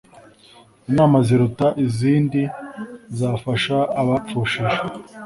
Inama ziruta izindi zafasha abapfushije